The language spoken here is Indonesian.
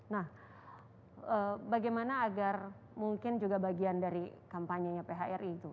nah bagaimana agar mungkin juga bagian dari kampanyenya phri itu